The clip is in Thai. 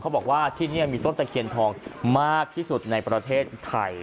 บอกว่าที่นี่มีต้นตะเคียนทองมากที่สุดในประเทศไทย